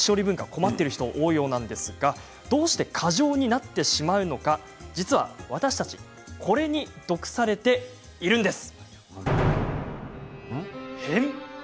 困っている人多いようなんですがどうして過剰になってしまうのか実は私たちこれに毒されているんです。